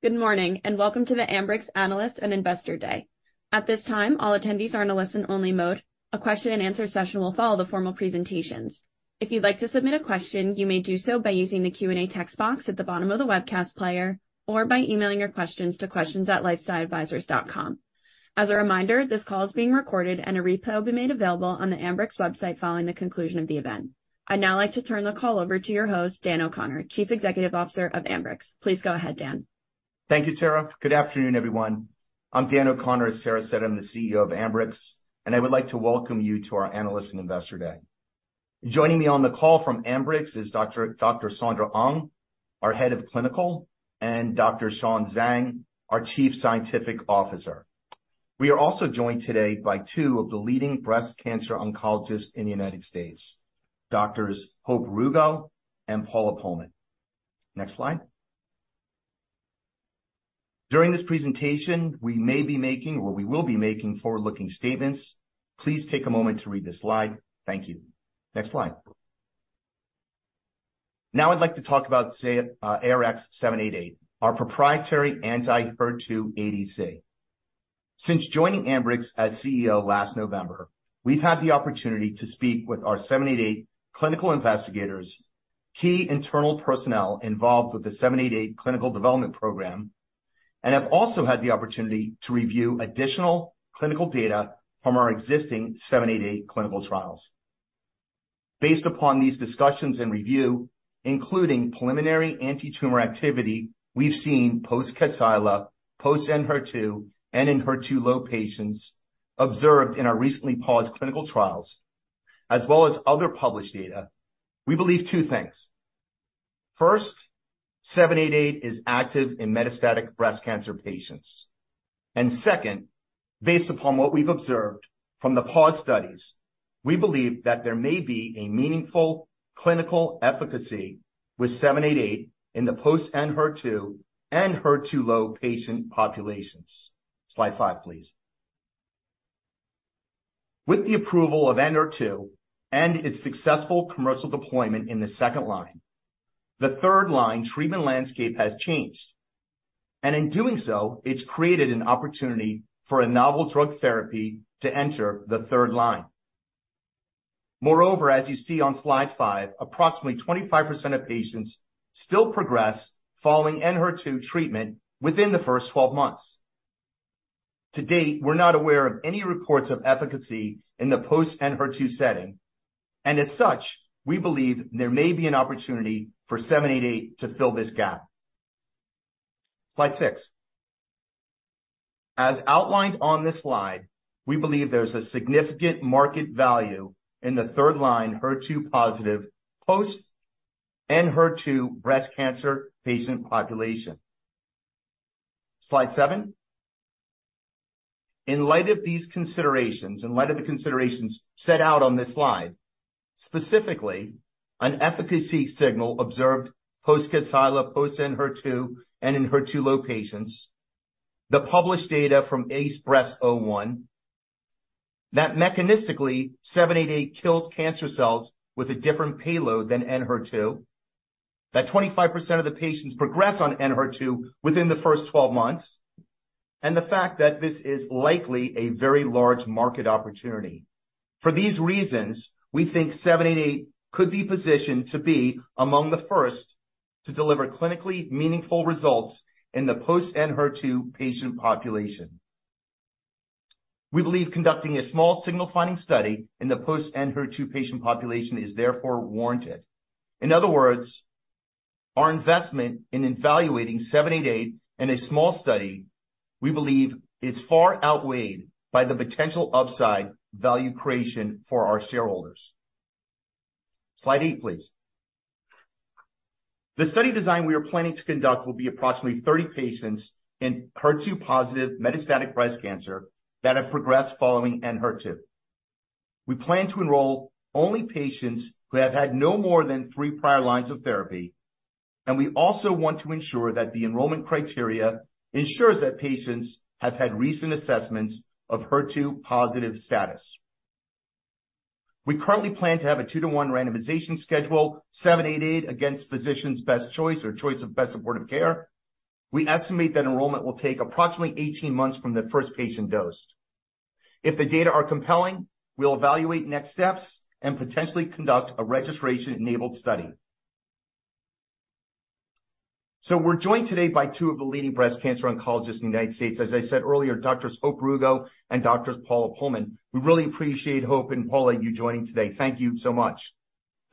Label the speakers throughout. Speaker 1: Good morning, welcome to the Ambrx Analyst and Investor Day. At this time, all attendees are in a listen-only mode. A question-and-answer session will follow the formal presentations. If you'd like to submit a question, you may do so by using the Q&A text box at the bottom of the webcast player or by emailing your questions to questions@lifesciadvisors.com. As a reminder, this call is being recorded and a replay will be made available on the Ambrx website following the conclusion of the event. I'd now like to turn the call over to your host, Dan O'Connor, Chief Executive Officer of Ambrx. Please go ahead, Dan.
Speaker 2: Thank you, Tara. Good afternoon, everyone. I'm Dan O'Connor. As Tara said, I'm the CEO of Ambrx. I would like to welcome you to our Analyst and Investor Day. Joining me on the call from Ambrx is Dr. Sandra Aung, our Head of Clinical, and Dr. Shawn Zhang, our Chief Scientific Officer. We are also joined today by two of the leading breast cancer oncologists in the United States, Doctors Hope Rugo and Paula Pohlmann. Next slide. During this presentation, we will be making forward-looking statements. Please take a moment to read this slide. Thank you. Next slide. I'd like to talk about ARX788, our proprietary anti-HER2 ADC. Since joining Ambrx as CEO last November, we've had the opportunity to speak with our 788 clinical investigators, key internal personnel involved with the 788 clinical development program, and have also had the opportunity to review additional clinical data from our existing 788 clinical trials. Based upon these discussions and review, including preliminary antitumor activity, we've seen post-Kadcyla, post-Enhertu, and in HER2-low patients observed in our recently paused clinical trials, as well as other published data. We believe 2 things. First, 788 is active in metastatic breast cancer patients. Second, based upon what we've observed from the paused studies, we believe that there may be a meaningful clinical efficacy with 788 in the post-Enhertu and HER2-low patient populations. Slide 5, please. With the approval of Enhertu and its successful commercial deployment in the second line, the third line treatment landscape has changed, and in doing so, it's created an opportunity for a novel drug therapy to enter the third line. Moreover, as you see on slide 5, approximately 25% of patients still progress following Enhertu treatment within the first 12 months. To date, we're not aware of any reports of efficacy in the post-Enhertu setting, and as such, we believe there may be an opportunity for 788 to fill this gap. Slide 6. As outlined on this slide, we believe there's a significant market value in the third-line HER2-positive post-Enhertu breast cancer patient population. Slide 7. In light of the considerations set out on this slide, specifically an efficacy signal observed post-Kadcyla, post-Enhertu and in HER2-low patients, the published data from I-SPY 2.01, that mechanistically ARX788 kills cancer cells with a different payload than Enhertu. That 25% of the patients progress on Enhertu within the first 12 months, and the fact that this is likely a very large market opportunity. For these reasons, we think ARX788 could be positioned to be among the first to deliver clinically meaningful results in the post-Enhertu patient population. We believe conducting a small signal finding study in the post-Enhertu patient population is therefore warranted. In other words, our investment in evaluating ARX788 in a small study, we believe, is far outweighed by the potential upside value creation for our shareholders. Slide 8, please. The study design we are planning to conduct will be approximately 30 patients in HER2-positive metastatic breast cancer that have progressed following Enhertu. We plan to enroll only patients who have had no more than three prior lines of therapy, and we also want to ensure that the enrollment criteria ensures that patients have had recent assessments of HER2-positive status. We currently plan to have a 2-to-1 randomization schedule, ARX788 against physician's best choice or choice of best supportive care. We estimate that enrollment will take approximately 18 months from the first patient dose. If the data are compelling, we'll evaluate next steps and potentially conduct a registration-enabled study. We're joined today by two of the leading breast cancer oncologists in the United States, as I said earlier, Doctors Hope Rugo and Doctors Paula Pohlmann. We really appreciate Hope and Paula you joining today. Thank you so much.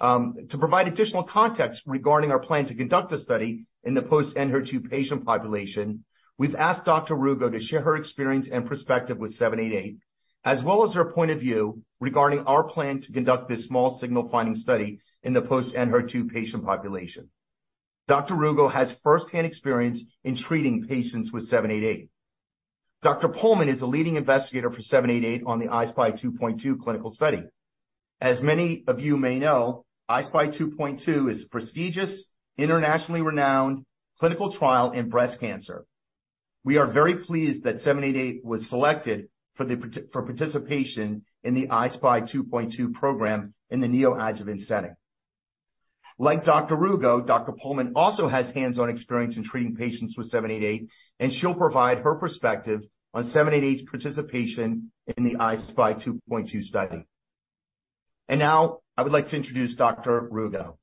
Speaker 2: To provide additional context regarding our plan to conduct a study in the post-Enhertu patient population, we've asked Dr. Rugo to share her experience and perspective with ARX788, as well as her point of view regarding our plan to conduct this small signal finding study in the post-Enhertu patient population. Dr. Rugo has firsthand experience in treating patients with ARX788. Dr. Pohlmann is a leading investigator for ARX788 on the I-SPY 2.2 clinical study. As many of you may know, I-SPY 2.2 is prestigious, internationally renowned clinical trial in breast cancer. We are very pleased that ARX788 was selected for participation in the I-SPY 2.2 program in the neoadjuvant setting. Like Dr. Rugo, Dr. Pohlmann also has hands-on experience in treating patients with ARX788, and she'll provide her perspective on ARX788's participation in the I-SPY 2.2 TRIAL. Now I would like to introduce Dr. Rugo.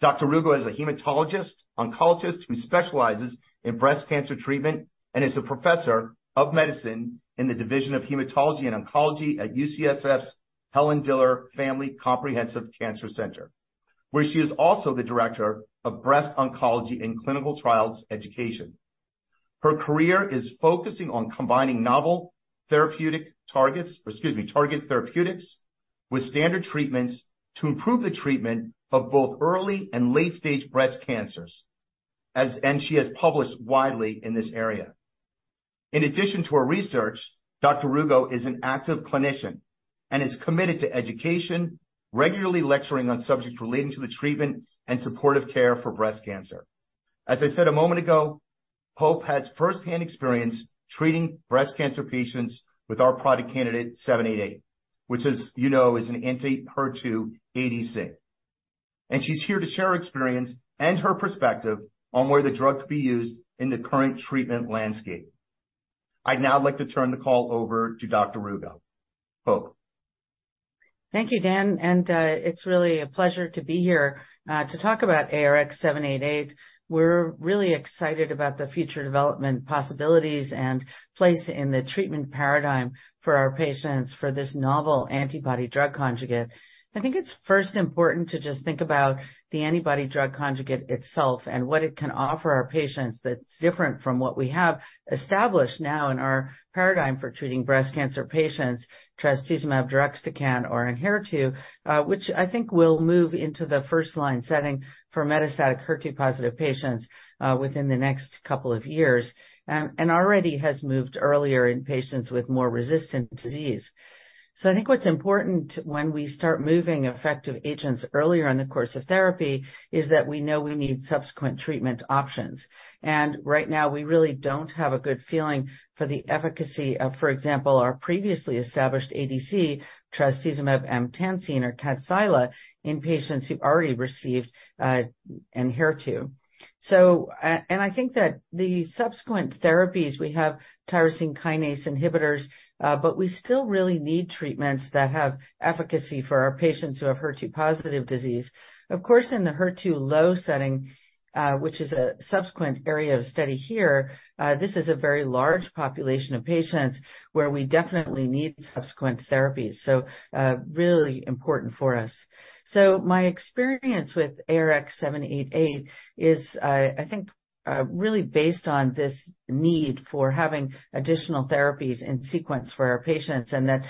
Speaker 2: Dr. Rugo is a hematologist oncologist who specializes in breast cancer treatment and is a Professor of Medicine in the Division of Hematology and Oncology at UCSF Helen Diller Family Comprehensive Cancer Center, where she is also the Director of Breast Oncology and Clinical Trials Education. Her career is focusing on combining novel therapeutic targets, targeted therapeutics with standard treatments to improve the treatment of both early and late-stage breast cancers. She has published widely in this area. In addition to her research, Dr. Rugo is an active clinician and is committed to education, regularly lecturing on subjects relating to the treatment and supportive care for breast cancer. As I said a moment ago, Hope has firsthand experience treating breast cancer patients with our product candidate seven eight eight, which is, an anti-HER2 ADC. She's here to share her experience and her perspective on where the drug could be used in the current treatment landscape. I'd now like to turn the call over to Dr. Rugo. Hope.
Speaker 3: Thank you, Dan. It's really a pleasure to be here to talk about ARX788. We're really excited about the future development possibilities and place in the treatment paradigm for our patients for this novel antibody-drug conjugate. I think it's first important to just think about the antibody-drug conjugate itself and what it can offer our patients that's different from what we have established now in our paradigm for treating breast cancer patients, Trastuzumab deruxtecan or Enhertu, which I think will move into the first line setting for metastatic HER2-positive patients within the next couple of years and already has moved earlier in patients with more resistant disease. I think what's important when we start moving effective agents earlier in the course of therapy is that we know we need subsequent treatment options. Right now, we really don't have a good feeling for the efficacy of, for example, our previously established ADC, Trastuzumab emtansine or Kadcyla, in patients who've already received Enhertu. I think that the subsequent therapies, we have tyrosine kinase inhibitors, but we still really need treatments that have efficacy for our patients who have HER2-positive disease. Of course, in the HER2-low setting, which is a subsequent area of study here, this is a very large population of patients where we definitely need subsequent therapies. Really important for us. My experience with ARX788 is, I think, really based on this need for having additional therapies in sequence for our patients, and that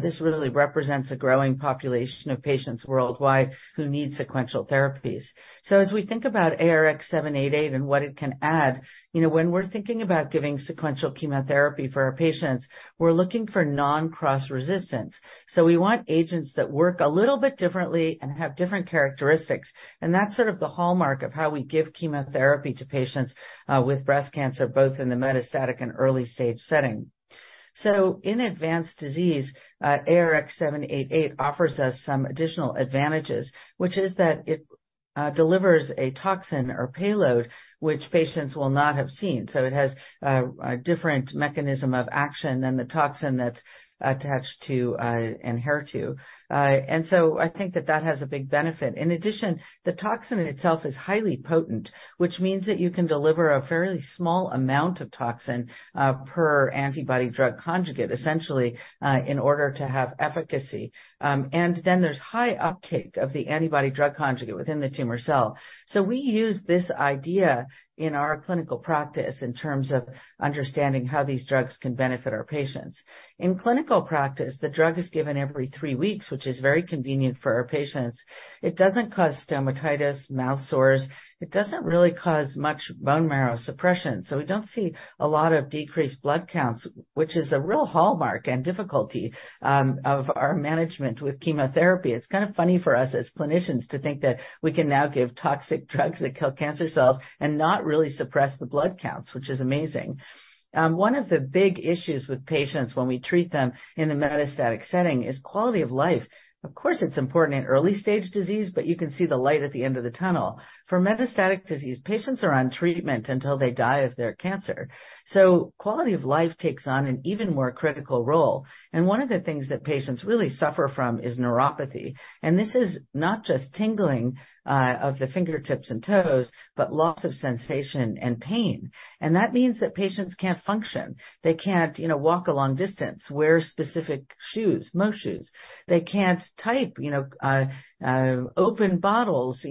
Speaker 3: this really represents a growing population of patients worldwide who need sequential therapies. As we think about ARX788 and what it can add, when we're thinking about giving sequential chemotherapy for our patients, we're looking for non-cross resistance. We want agents that work a little bit differently and have different characteristics. That's sort of the hallmark of how we give chemotherapy to patients with metastatic breast cancer, both in the metastatic and early-stage setting. In advanced disease, ARX788 offers us some additional advantages, which is that it delivers a toxin or payload which patients will not have seen. It has a different mechanism of action than the toxin that's attached to Enhertu. I think that that has a big benefit. In addition, the toxin itself is highly potent, which means that you can deliver a fairly small amount of toxin, per antibody-drug conjugate, essentially, in order to have efficacy. There's high uptake of the antibody-drug conjugate within the tumor cell. We use this idea in our clinical practice in terms of understanding how these drugs can benefit our patients. In clinical practice, the drug is given every 3 weeks, which is very convenient for our patients. It doesn't cause stomatitis mouth sores, it doesn't really cause much bone marrow suppression, so we don't see a lot of decreased blood counts, which is a real hallmark and difficulty, of our management with chemotherapy. It's kind of funny for us as clinicians to think that we can now give toxic drugs that kill cancer cells and not really suppress the blood counts, which is amazing. One of the big issues with patients when we treat them in the metastatic setting is quality of life. Of course, it's important in early-stage disease, but you can see the light at the end of the tunnel. For metastatic disease, patients are on treatment until they die of their cancer. Quality of life takes on an even more critical role. One of the things that patients really suffer from is neuropathy. This is not just tingling, of the fingertips and toes, but loss of sensation and pain. That means that patients can't function. They can't, walk a long distance, wear specific shoes, most shoes. They can't type, open bottles,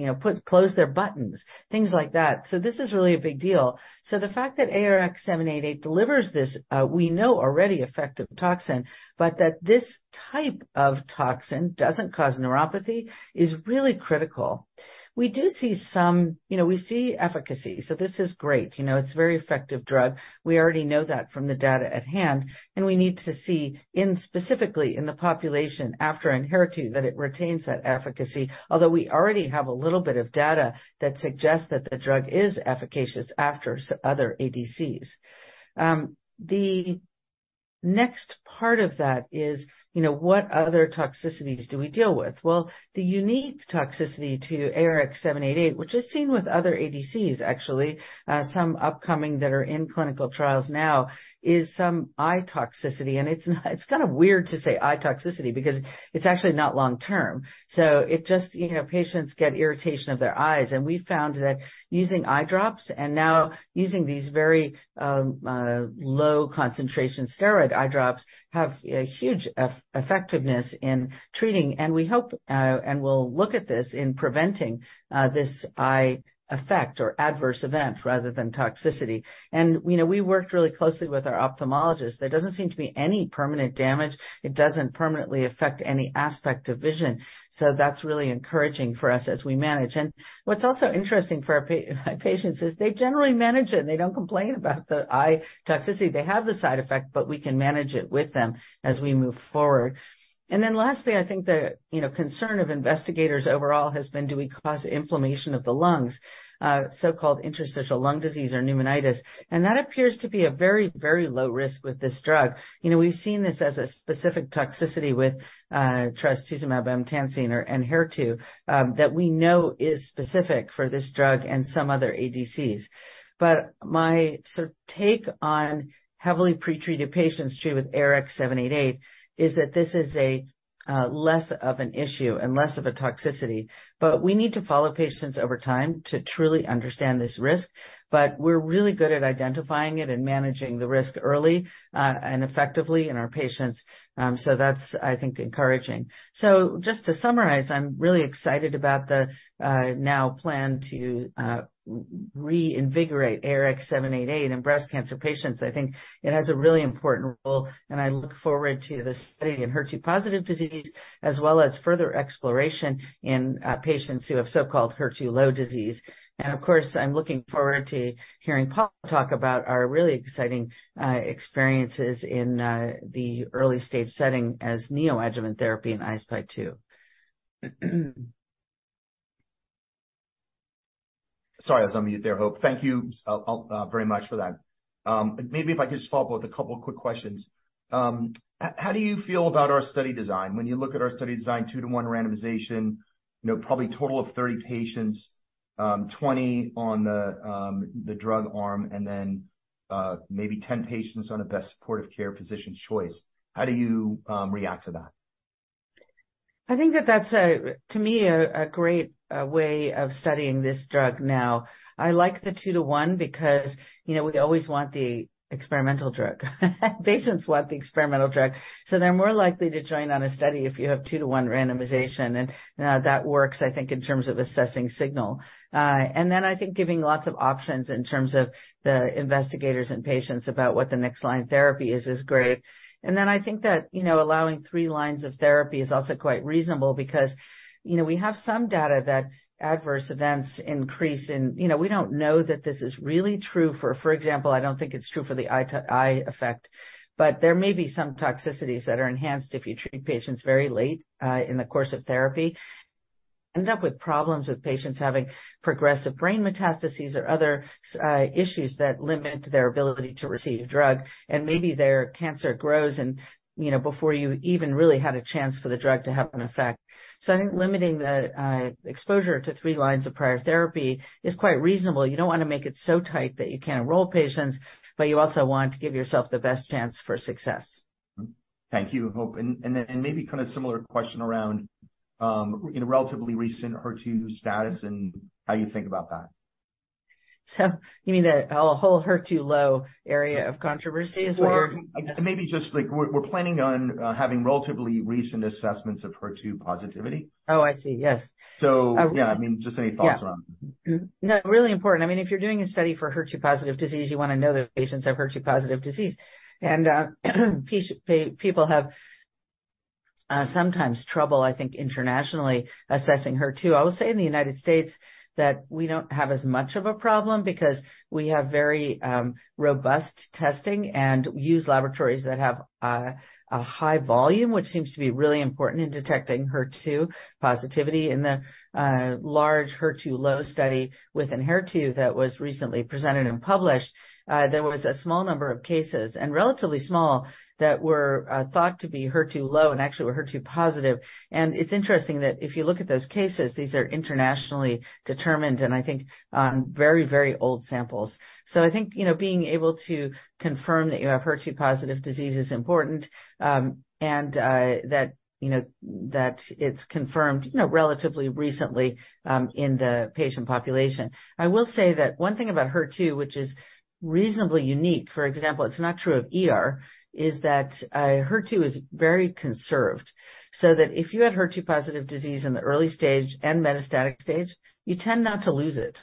Speaker 3: close their buttons, things like that. This is really a big deal. The fact that ARX788 delivers this, we know already effective toxin, but that this type of toxin doesn't cause neuropathy is really critical. We do see some. You know, we see efficacy, so this is great. You know, it's a very effective drug. We already know that from the data at hand, and we need to see specifically in the population after Enhertu, that it retains that efficacy. Although we already have a little bit of data that suggests that the drug is efficacious after other ADCs. Next part of that is, what other toxicities do we deal with? Well, the unique toxicity to ARX788, which is seen with other ADCs actually, some upcoming that are in clinical trials now, is some eye toxicity. It's kinda weird to say eye toxicity because it's actually not long-term. It just, patients get irritation of their eyes, and we found that using eyedrops and now using these very low concentration steroid eyedrops have a huge effectiveness in treating. We hope, and we'll look at this in preventing this eye effect or adverse event rather than toxicity. You know, we worked really closely with our ophthalmologist. There doesn't seem to be any permanent damage. It doesn't permanently affect any aspect of vision. That's really encouraging for us as we manage. What's also interesting for our patients is they generally manage it, and they don't complain about the eye toxicity. They have the side effect, but we can manage it with them as we move forward. Lastly, I think the, concern of investigators overall has been, do we cause inflammation of the lungs, so-called interstitial lung disease or pneumonitis? That appears to be a very, very low risk with this drug. You know, we've seen this as a specific toxicity with trastuzumab deruxtecan, or Enhertu that we know is specific for this drug and some other ADCs. My sort of take on heavily pretreated patients too with ARX788 is that this is a less of an issue and less of a toxicity We need to follow patients over time to truly understand this risk, but we're really good at identifying it and managing the risk early and effectively in our patients. So that's, I think, encouraging. Just to summarize, I'm really excited about the now plan to reinvigorate ARX788 in breast cancer patients. I think it has a really important role, and I look forward to the study in HER2-positive disease as well as further exploration in patients who have so-called HER2-low disease. Of course, I'm looking forward to hearing Paula talk about our really exciting experiences in the early stage setting as neoadjuvant therapy in I-SPY 2.
Speaker 2: Sorry, I was on mute there, Hope. Thank you, very much for that. Maybe if I could just follow up with a couple quick questions. How do you feel about our study design? When you look at our study design, 2-to-1 randomization, probably total of 30 patients, 20 on the drug arm and then maybe 10 patients on a best supportive care physician choice. How do you react to that?
Speaker 3: I think that that's a, to me, a great way of studying this drug now. I like the 2 to 1 because, we always want the experimental drug. Patients want the experimental drug, so they're more likely to join on a study if you have 2-to-1 randomization. That works, I think, in terms of assessing signal. I think giving lots of options in terms of the investigators and patients about what the next line therapy is great. I think that, you know, allowing 3 lines of therapy is also quite reasonable because, we have some data that adverse events increase and, you know, we don't know that this is really true for. For example, I don't think it's true for the eye effect. There may be some toxicities that are enhanced if you treat patients very late in the course of therapy. End up with problems with patients having progressive brain metastases or other issues that limit their ability to receive drug, and maybe their cancer grows and, you know, before you even really had a chance for the drug to have an effect. I think limiting the exposure to three lines of prior therapy is quite reasonable. You don't wanna make it so tight that you can't enroll patients, but you also want to give yourself the best chance for success.
Speaker 2: Thank you, Hope. Maybe kind of similar question around, relatively recent HER2 status and how you think about that?
Speaker 3: You mean the whole HER2-low area of controversy as well?
Speaker 2: Well, maybe just like we're planning on having relatively recent assessments of HER2 positivity.
Speaker 3: Oh, I see. Yes.
Speaker 2: Yeah. I mean, just any thoughts around that.
Speaker 3: Yeah. No, really important. I mean, if you're doing a study for HER2-positive disease, you wanna know that patients have HER2-positive disease. people have sometimes trouble, I think, internationally assessing HER2. I will say in the United States that we don't have as much of a problem because we have very robust testing and use laboratories that have a high volume, which seems to be really important in detecting HER2 positivity. In the large HER2-low study with Enhertu that was recently presented and published, there was a small number of cases, and relatively small, that were thought to be HER2-low and actually were HER2-positive. It's interesting that if you look at those cases, these are internationally determined and I think on very old samples. I think, you know, being able to confirm that you have HER2-positive disease is important, that, that it's confirmed, relatively recently, in the patient population. I will say that one thing about HER2, which is reasonably unique, for example, it's not true of ER, is that HER2 is very conserved, so that if you had HER2-positive disease in the early stage and metastatic stage, you tend not to lose it.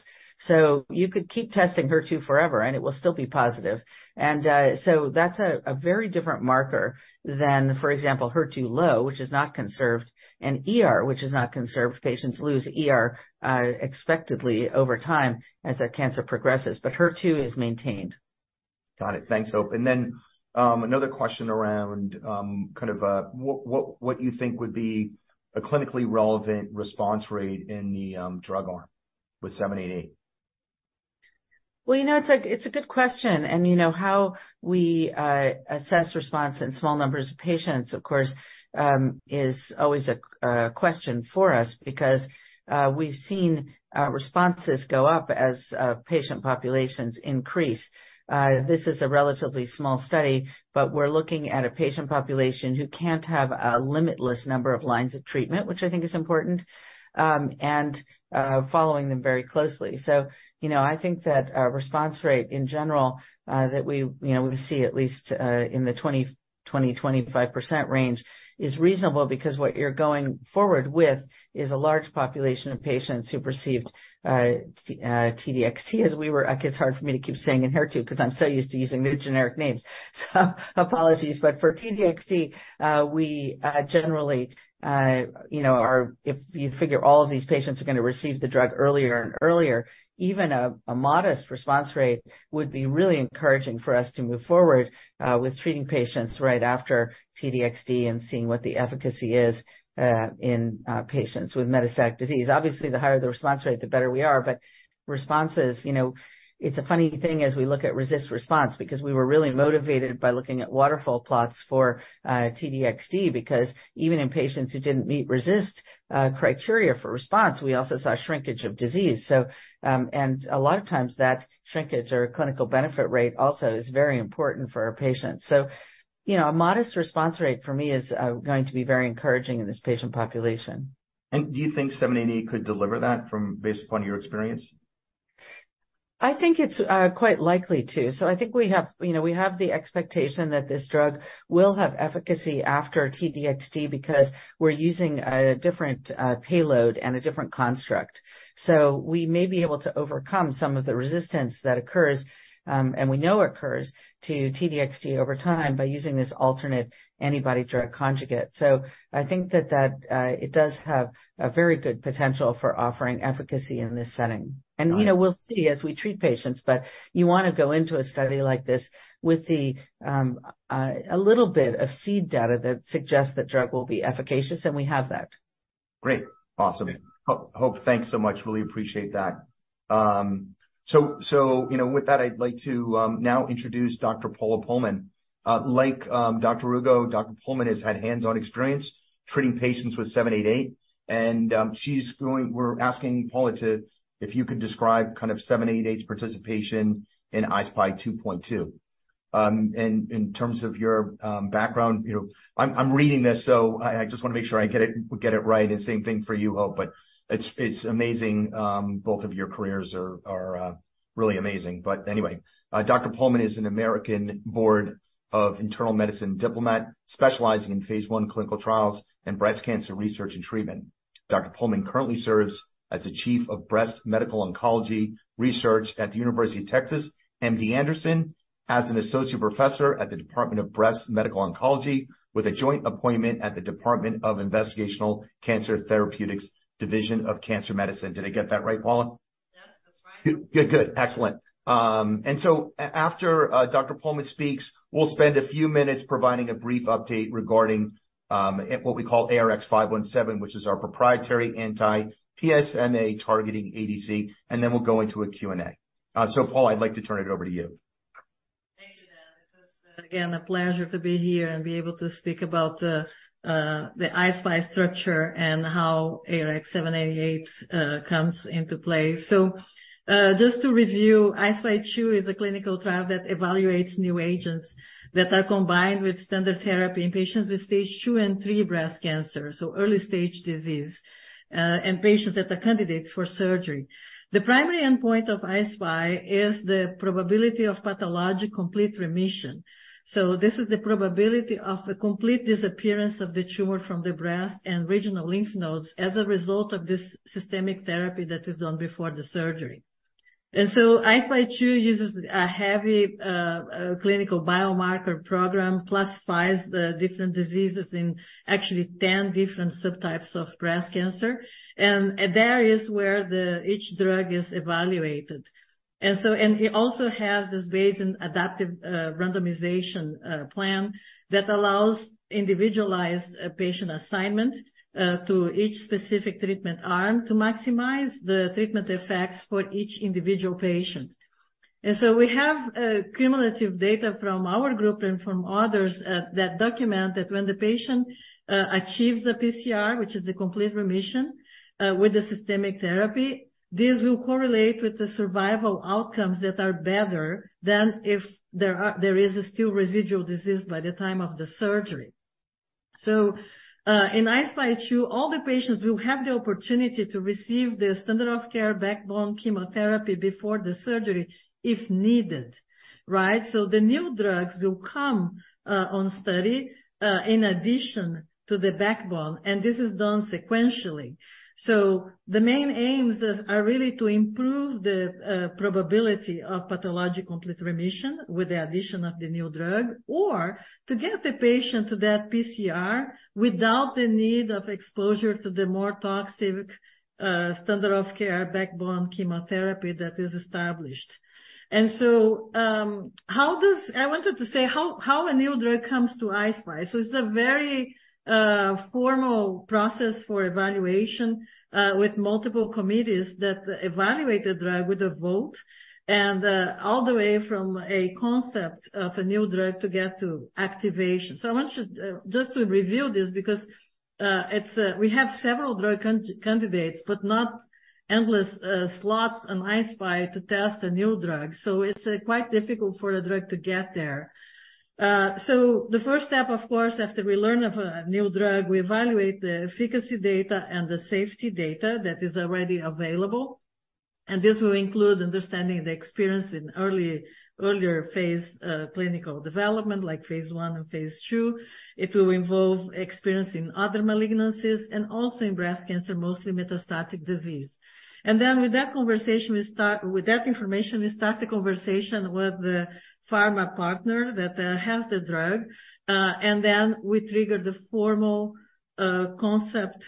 Speaker 3: You could keep testing HER2 forever, and it will still be positive. That's a very different marker than, for example, HER2-low, which is not conserved, and ER, which is not conserved. Patients lose ER, expectedly over time as their cancer progresses, but HER2 is maintained.
Speaker 2: Got it. Thanks, Hope. Another question around, kind of, what you think would be a clinically relevant response rate in the drug arm with ARX788.
Speaker 3: Well, it's a good question. You know, how we assess response in small numbers of patients, of course, is always a question for us because we've seen responses go up as patient populations increase. This is a relatively small study, but we're looking at a patient population who can't have a limitless number of lines of treatment, which I think is important, and following them very closely. You know, I think that response rate in general that, we see at least in the 25% range is reasonable because what you're going forward with is a large population of patients who received T-DXd. It's hard for me to keep saying Enhertu because I'm so used to using the generic names. Apologies. For T-DXd, we generally, know if you figure all of these patients are gonna receive the drug earlier and earlier, even a modest response rate would be really encouraging for us to move forward with treating patients right after T-DXd and seeing what the efficacy is in patients with metastatic disease. Obviously, the higher the response rate, the better we are. Responses, it's a funny thing as we look at RECIST response, because we were really motivated by looking at waterfall plots for T-DXd, because even in patients who didn't meet RECIST criteria for response, we also saw shrinkage of disease. And a lot of times that shrinkage or clinical benefit rate also is very important for our patients. You know, a modest response rate for me is going to be very encouraging in this patient population.
Speaker 2: Do you think ARX788 could deliver that based upon your experience?
Speaker 3: I think it's quite likely to. I think we have, we have the expectation that this drug will have efficacy after T-DXd because we're using a different payload and a different construct. We may be able to overcome some of the resistance that occurs, and we know occurs to T-DXd over time by using this alternate antibody-drug conjugate. I think that, it does have a very good potential for offering efficacy in this setting. You know, we'll see as we treat patients, but you wanna go into a study like this with the, a little bit of seed data that suggests the drug will be efficacious, and we have that.
Speaker 2: Great. Awesome. Hope, thanks so much. Really appreciate that. You know, with that, I'd like to now introduce Dr. Paula Pohlmann. Like, Dr. Rugo, Dr. Pohlmann has had hands-on experience treating patients with ARX788 and we're asking Paula to if you could describe kind of ARX788 participation in I-SPY 2.2. In, in terms of your background, I'm reading this, so I just wanna make sure I get it, get it right, and same thing for you, Hope, it's amazing. Both of your careers are really amazing. Dr. Pohlmann is an American Board of Internal Medicine diplomat specializing in I clinical trials and breast cancer research and treatment. Pohlmann currently serves as the Chief of Breast Medical Oncology Research at University of Texas MD Anderson, as an associate professor at the Department of Breast Medical Oncology, with a joint appointment at the Department of Investigational Cancer Therapeutics, Division of Cancer Medicine. Did I get that right, Paula?
Speaker 4: Yeah, that's right.
Speaker 2: Good. Excellent. After Dr. Pohlmann speaks, we'll spend a few minutes providing a brief update regarding what we call ARX517, which is our proprietary anti-PSMA-targeting ADC, and then we'll go into a Q&A. Paula, I'd like to turn it over to you.
Speaker 4: Thank you, Dan. It is, again, a pleasure to be here and be able to speak about the I-SPY structure and how ARX788 comes into play. Just to review, I-SPY 2 is a clinical trial that evaluates new agents that are combined with standard therapy in patients with stage 2 and 3 breast cancer, early-stage disease, and patients that are candidates for surgery. The primary endpoint of I-SPY is the probability of pathologic complete remission. This is the probability of the complete disappearance of the tumor from the breast and regional lymph nodes as a result of this systemic therapy that is done before the surgery. I-SPY 2 uses a heavy clinical biomarker program, classifies the different diseases in actually 10 different subtypes of breast cancer. There is where each drug is evaluated. It also has this Bayesian adaptive randomization plan that allows individualized patient assignment to each specific treatment arm to maximize the treatment effects for each individual patient. We have cumulative data from our group and from others at that document that when the patient achieves the PCR, which is the complete remission with the systemic therapy, this will correlate with the survival outcomes that are better than if there is a still residual disease by the time of the surgery. In I-SPY 2, all the patients will have the opportunity to receive the standard of care backbone chemotherapy before the surgery if needed, right? The new drugs will come on study in addition to the backbone, and this is done sequentially. The main aims are really to improve the probability of pathologic complete remission with the addition of the new drug or to get the patient to that PCR without the need of exposure to the more toxic standard of care backbone chemotherapy that is established. How a new drug comes to I-SPY. It's a very formal process for evaluation. With multiple committees that evaluate the drug with a vote all the way from a concept of a new drug to get to activation. I want you just to review this because it's we have several drug candidates, but not endless slots on I-SPY to test a new drug. It's quite difficult for a drug to get there. The first step, of course, after we learn of a new drug, we evaluate the efficacy data and the safety data that is already available. This will include understanding the experience in earlier phase clinical development like Phase I and Phase II. It will involve experience in other malignancies and also in breast cancer, mostly metastatic disease. With that information, we start the conversation with the pharma partner that has the drug, and then we trigger the formal concept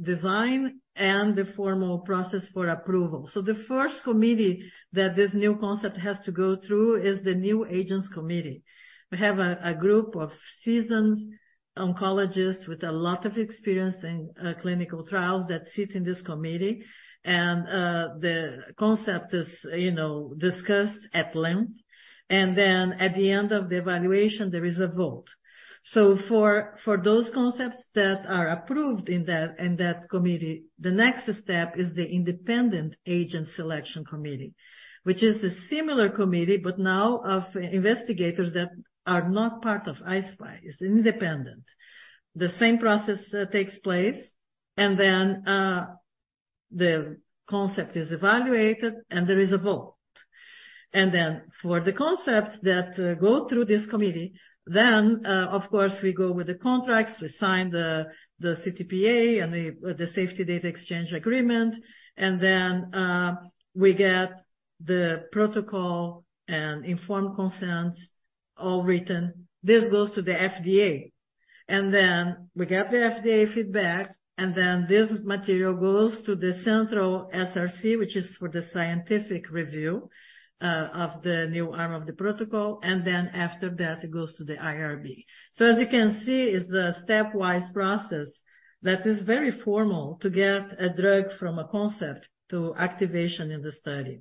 Speaker 4: design and the formal process for approval. The first committee that this new concept has to go through is the New Agents Committee. We have a group of seasoned oncologists with a lot of experience in clinical trials that sit in this committee. The concept is, discussed at length. At the end of the evaluation, there is a vote. For those concepts that are approved in that committee, the next step is the independent agent selection committee, which is a similar committee, but now of investigators that are not part of I-SPY. It's independent. The same process takes place, the concept is evaluated and there is a vote. For the concepts that go through this committee, of course, we go with the contracts, we sign the CTA and the safety data exchange agreement. We get the protocol and informed consents all written. This goes to the FDA. We get the FDA feedback, this material goes to the central SRC, which is for the scientific review of the new arm of the protocol. After that, it goes to the IRB. As you can see, it's a stepwise process that is very formal to get a drug from a concept to activation in the study.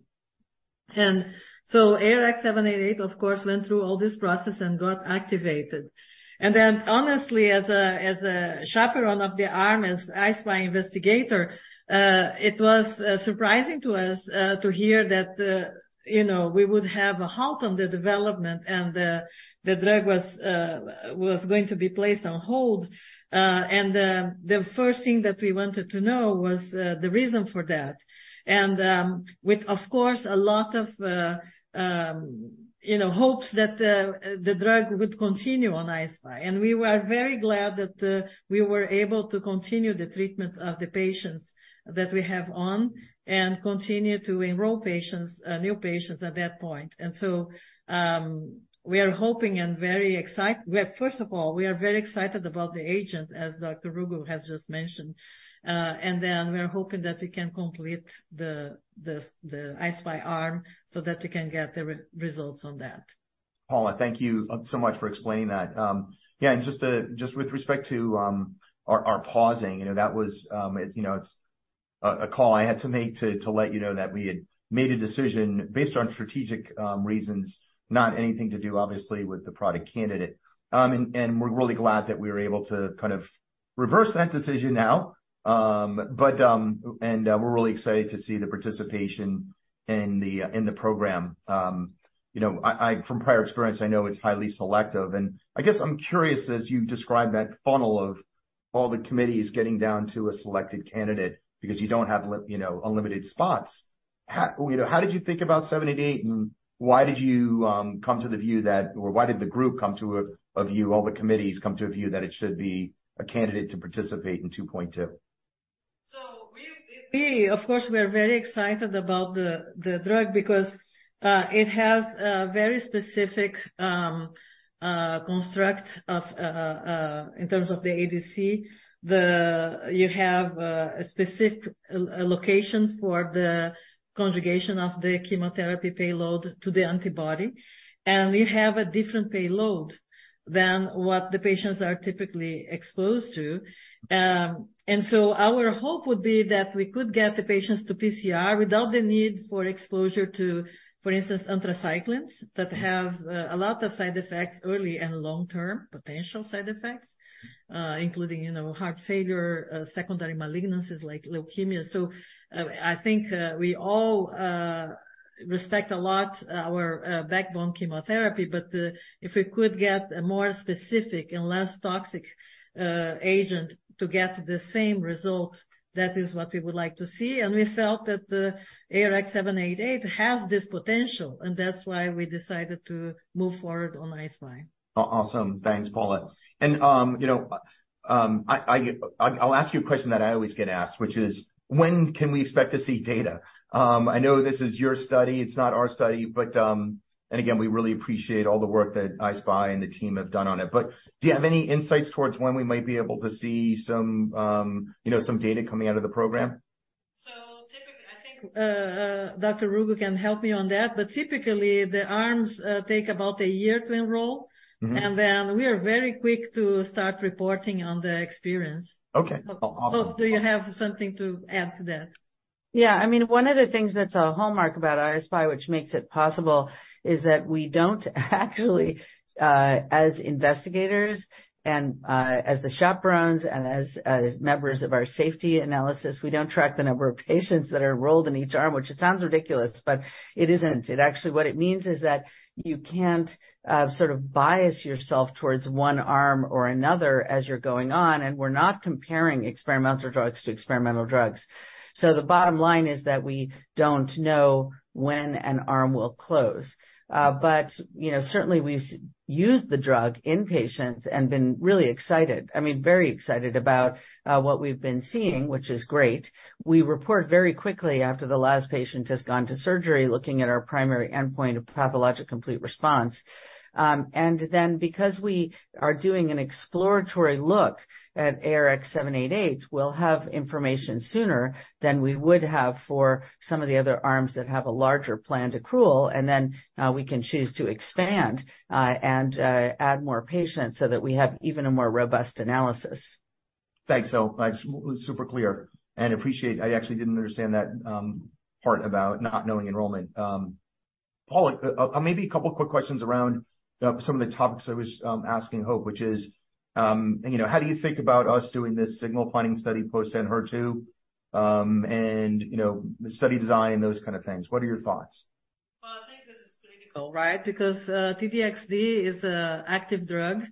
Speaker 4: ARX788 of course, went through all this process and got activated. Honestly, as a chaperone of the arm, as I-SPY investigator, it was surprising to us to hear that, we would have a halt on the development and the drug was going to be placed on hold. The first thing that we wanted to know was the reason for that. With, of course, a lot of, hopes that, the drug would continue on I-SPY. We were very glad that, we were able to continue the treatment of the patients that we have on and continue to enroll patients, new patients at that point. We are hoping and very well, first of all, we are very excited about the agent, as Dr. Rugo has just mentioned. We are hoping that we can complete the I-SPY arm so that we can get the results on that.
Speaker 2: Paula, thank you so much for explaining that. Just with respect to our pausing, that was, it's a call I had to make to let that we had made a decision based on strategic reasons, not anything to do, obviously, with the product candidate. We're really glad that we were able to kind of reverse that decision now. We're really excited to see the participation in the program. You know, I from prior experience, I know it's highly selective. I guess I'm curious, as you described that funnel of all the committees getting down to a selected candidate because you don't have, unlimited spots. How did you think about 788? Why did the group, all the committees come to a view that it should be a candidate to participate in 2.2?
Speaker 4: Of course, we are very excited about the drug because it has a very specific construct in terms of the ADC. You have a specific location for the conjugation of the chemotherapy payload to the antibody, and we have a different payload than what the patients are typically exposed to. Our hope would be that we could get the patients to PCR without the need for exposure to, for instance, anthracyclines that have a lot of side effects early and long-term, potential side effects, including, heart failure, secondary malignancies like leukemia. I think, we all, respect a lot our, backbone chemotherapy, but, if we could get a more specific and less toxic, agent to get the same results, that is what we would like to see. We felt that the ARX788 has this potential, and that's why we decided to move forward on I-SPY.
Speaker 2: Awesome. Thanks, Paula I'll ask you a question that I always get asked, which is when can we expect to see data? I know this is your study. It's not our study. again, we really appreciate all the work that I-SPY and the team have done on it. Do you have any insights towards when we might be able to see some, some data coming out of the program?
Speaker 4: Dr. Rugo can help me on that, but typically the arms, take about a year to enroll.
Speaker 2: Mm-hmm.
Speaker 4: We are very quick to start reporting on the experience.
Speaker 2: Okay. Awesome.
Speaker 4: Do you have something to add to that?
Speaker 3: Yeah. I mean, one of the things that's a hallmark about I-SPY, which makes it possible, is that we don't actually, as investigators and, as the chaperones and as members of our safety analysis, we don't track the number of patients that are enrolled in each arm, which it sounds ridiculous, but it isn't. It actually. What it means is that you can't sort of bias yourself towards one arm or another as you're going on, and we're not comparing experimental drugs to experimental drugs. The bottom line is that we don't know when an arm will close. You know, certainly we've used the drug in patients and been really excited, I mean, very excited about what we've been seeing, which is great. We report very quickly after the last patient has gone to surgery, looking at our primary endpoint of pathologic complete response. Then because we are doing an exploratory look at ARX788, we'll have information sooner than we would have for some of the other arms that have a larger planned accrual, and then we can choose to expand and add more patients so that we have even a more robust analysis.
Speaker 2: Thanks. That's super clear and appreciate. I actually didn't understand that part about not knowing enrollment. Paula, maybe a couple quick questions around some of the topics I was asking Hope, which is, how do you think about us doing this signal planning study post Enhertu, and, study design and those kind of things. What are your thoughts?
Speaker 4: I think this is critical, right? T-DXd is a active drug,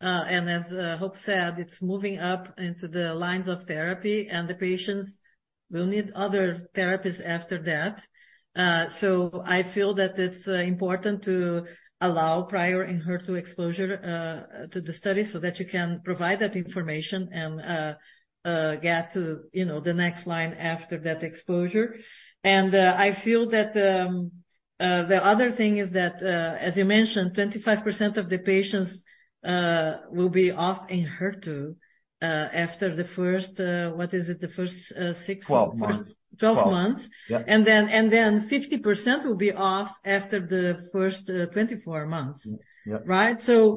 Speaker 4: as Hope said, it's moving up into the lines of therapy, and the patients will need other therapies after that. I feel that it's important to allow prior Enhertu exposure to the study so that you can provide that information and get to, the next line after that exposure. I feel that, the other thing is that, as you mentioned, 25% of the patients will be off Enhertu after the first, what is it? The first, six-
Speaker 2: 12 months.
Speaker 4: 12 months.
Speaker 2: Yeah.
Speaker 4: Then 50% will be off after the first 24 months.
Speaker 2: Yep.
Speaker 4: Right?
Speaker 2: Yeah.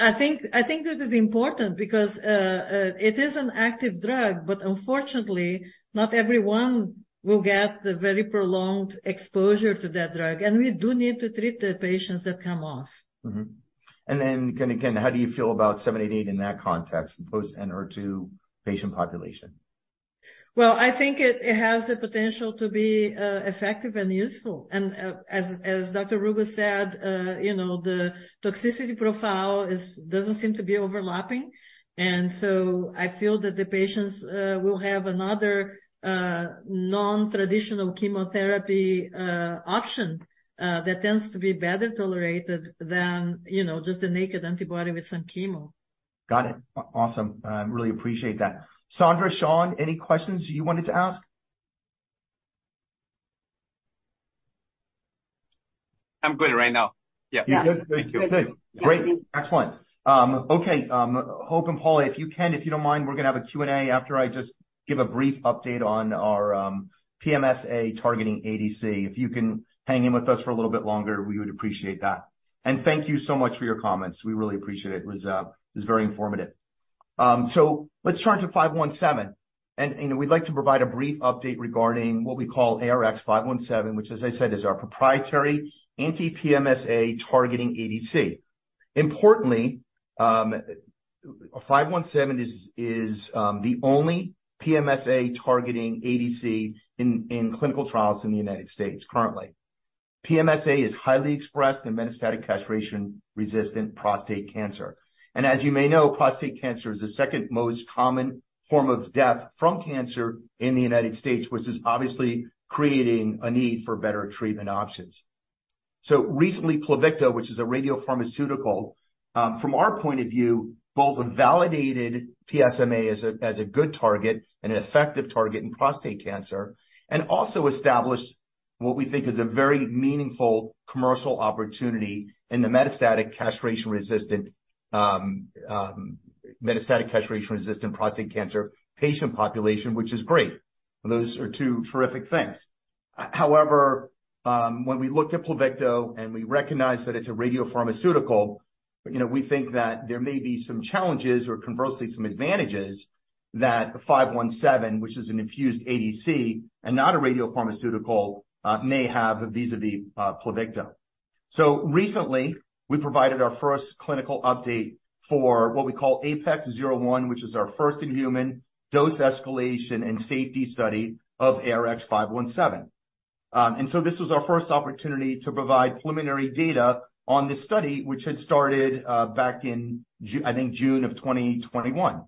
Speaker 4: I think this is important because it is an active drug, but unfortunately, not everyone will get the very prolonged exposure to that drug, and we do need to treat the patients that come off.
Speaker 2: Mm-hmm. Then again, how do you feel about ARX788 in that context, the post Enhertu patient population?
Speaker 4: Well, I think it has the potential to be effective and useful. As Dr. Rugo said, the toxicity profile doesn't seem to be overlapping. I feel that the patients will have another non-traditional chemotherapy option that tends to be better tolerated than, just a naked antibody with some chemo.
Speaker 2: Got it. Awesome. I really appreciate that. Sandra, Shawn, any questions you wanted to ask?
Speaker 5: I'm good right now. Yeah.
Speaker 2: You're good?
Speaker 3: Yeah.
Speaker 2: Good. Great. Excellent. Okay, Hope and Paula, if you can, if you don't mind, we're gonna have a Q&A after I just give a brief update on our PSMA targeting ADC. If you can hang in with us for a little bit longer, we would appreciate that. Thank you so much for your comments. We really appreciate it. It was very informative. Let's turn to 517. You know, we'd like to provide a brief update regarding what we call ARX517, which as I said, is our proprietary anti-PSMA targeting ADC. Importantly, 517 is the only PSMA targeting ADC in clinical trials in the United States currently. PSMA is highly expressed in metastatic castration-resistant prostate cancer. As you may know, prostate cancer is the second most common form of death from cancer in the United States, which is obviously creating a need for better treatment options. Recently, Pluvicto, which is a radiopharmaceutical, from our point of view, both a validated PSMA as a good target and an effective target in prostate cancer, and also established what we think is a very meaningful commercial opportunity in the metastatic castration-resistant prostate cancer patient population, which is great. Those are two terrific things. However, when we look at Pluvicto and we recognize that it's a radiopharmaceutical, we think that there may be some challenges or conversely, some advantages that five one seven, which is an infused ADC and not a radiopharmaceutical, may have vis-à-vis Pluvicto. Recently, we provided our first clinical update for what we call APEX-01, which is our first in human dose escalation and safety study of ARX517. This was our first opportunity to provide preliminary data on this study, which had started back in June of 2021.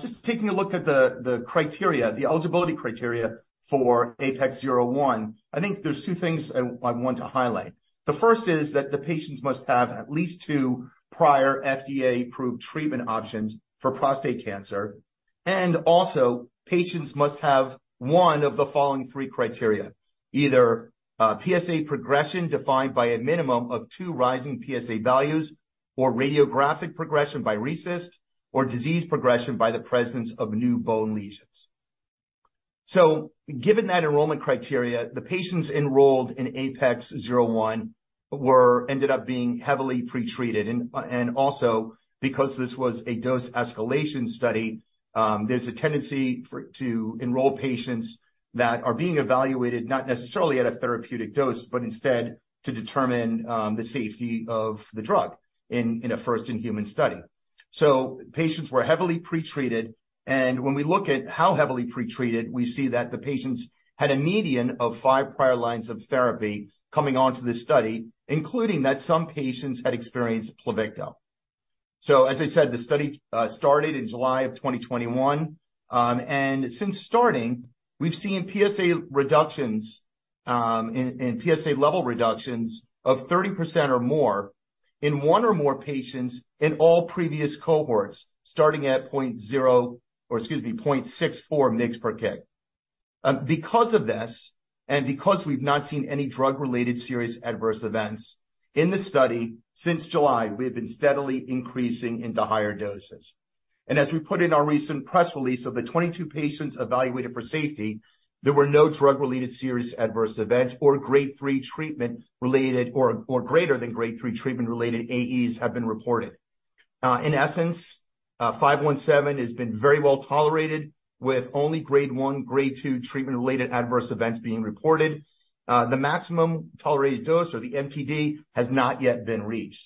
Speaker 2: Just taking a look at the criteria, the eligibility criteria for APEX-01, I think there's 2 things I want to highlight. The first is that the patients must have at least 2 prior FDA-approved treatment options for prostate cancer. Also patients must have 1 of the following 3 criteria, either PSA progression defined by a minimum of 2 rising PSA values, or radiographic progression by RECIST, or disease progression by the presence of new bone lesions. Given that enrollment criteria, the patients enrolled in APEX-01 were ended up being heavily pre-treated and also because this was a dose escalation study, there's a tendency to enroll patients that are being evaluated not necessarily at a therapeutic dose, but instead to determine the safety of the drug in a first-in-human study. Patients were heavily pre-treated. When we look at how heavily pre-treated, we see that the patients had a median of five prior lines of therapy coming onto this study, including that some patients had experienced Pluvicto. As I said, the study started in July of 2021. Since starting, we've seen PSA reductions, in PSA level reductions of 30% or more in one or more patients in all previous cohorts, starting at 0.64 ngs per K. Because of this, because we've not seen any drug-related serious adverse events in the study since July, we have been steadily increasing into higher doses. As we put in our recent press release, of the 22 patients evaluated for safety, there were no drug-related serious adverse events or Grade 3 treatment-related or greater than Grade 3 treatment-related AEs have been reported. In essence, ARX517 has been very well tolerated with only Grade 1, Grade 2 treatment-related adverse events being reported. The maximum tolerated dose, or the MTD, has not yet been reached.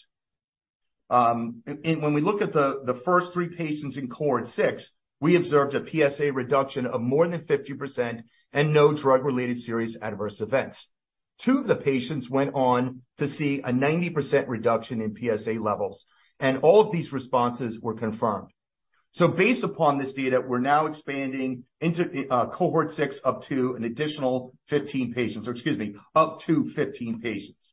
Speaker 2: When we look at the first 3 patients in cohort 6, we observed a PSA reduction of more than 50% and no drug-related serious adverse events. 2 of the patients went on to see a 90% reduction in PSA levels, all of these responses were confirmed. Based upon this data, we're now expanding into cohort 6 up to an additional 15 patients. Excuse me, up to 15 patients.